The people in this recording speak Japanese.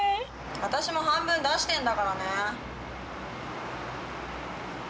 私も半分出してんだからね。